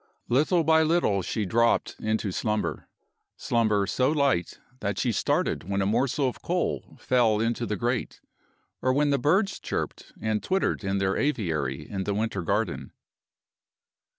Little by little she dropped into slumber slumber so light that she started when a morsel of coal fell into the grate, or when the birds chirped and twittered in their aviary in the winter garden.